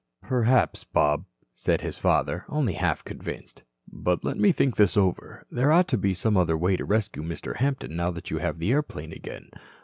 "Perhaps, Bob," said his father, only half convinced. "But let me think this over. There ought to be some other way to rescue Mr. Hampton now that you have the airplane again.